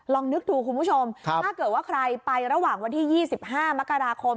นึกดูคุณผู้ชมถ้าเกิดว่าใครไประหว่างวันที่๒๕มกราคม